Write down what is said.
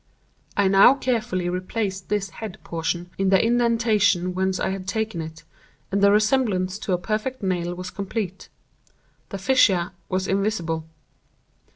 I now carefully replaced this head portion in the indentation whence I had taken it, and the resemblance to a perfect nail was complete—the fissure was invisible.